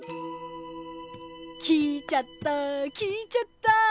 聞いちゃった聞いちゃった！